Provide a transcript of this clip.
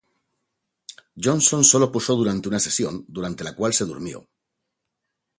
Johnson sólo posó durante una sesión, durante la cual se durmió.